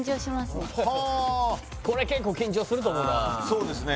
これ結構緊張すると思うなそうですね